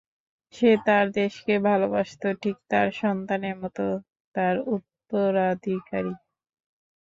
সে তার দেশকে ভালোবাসত, ঠিক তার সন্তানের মতো, তার উত্তরাধিকারী।